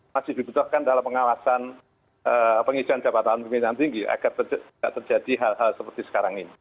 masih dibutuhkan dalam pengawasan pengisian jabatan pemerintahan tinggi agar tidak terjadi hal hal seperti sekarang ini